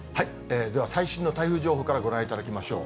では、最新の台風情報からご覧いただきましょう。